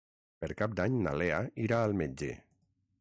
Per Cap d'Any na Lea irà al metge.